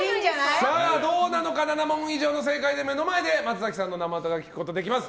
どうなのか７問以上の正解で目の前で松崎さんの生歌が聴けることができます。